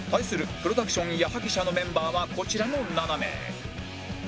プロダクション矢作舎のメンバーはこちらの７名